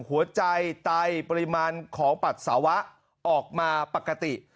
หัวใจไตปริมาณของปัสสาวะออกมาปกติ